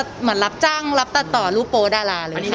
ใช่ค่ะลับต้องรับตัดต่อภาพโพสต์ดาราเลยค่ะ